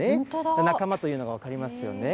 仲間というのが分かりますよね。